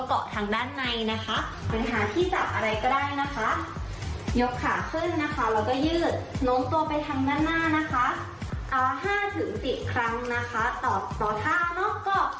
สำหรับใครที่มีอาการปวดหัวเข่าตรงด้านใน